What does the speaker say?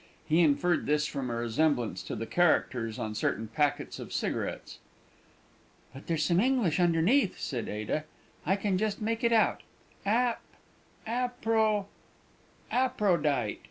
He inferred this from a resemblance to the characters on certain packets of cigarettes. "But there's some English underneath," said Ada; "I can just make it out. Ap Apro Aprodyte.